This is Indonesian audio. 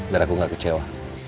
biar aku gak kecewa